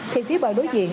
thì phía bờ đối diện